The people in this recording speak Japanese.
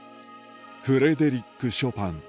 フレデリック・ショパン